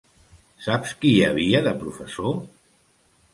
Saps qui hi havia de professor?